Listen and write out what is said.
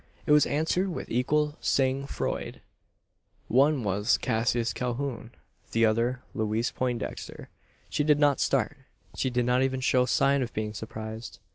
It was answered with equal sang froid. "One was Cassius Calhoun the other Louise Poindexter." She did not start. She did not even show sign of being surprised.